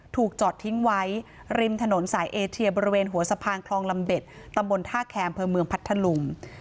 ถูกจอดทิ้งไว้ริมถนนสายเอเชียบริเวณหัวสะพานคลองลำเบ็ดตำบลท่าแคมเภอเมืองพัทธลุง